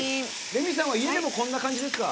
レミさんは家でもこんな感じですか？